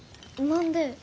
何で？